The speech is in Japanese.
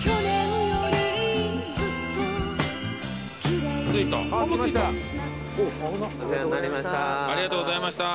お世話になりました。